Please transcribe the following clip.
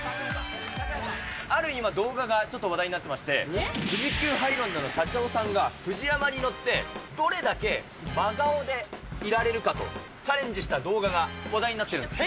ある今、動画が話題になってまして、富士急ハイランドの社長さんが、フジヤマに乗ってどれだけ真顔でいられるかと、チャレンジした動画が話題になってるんです。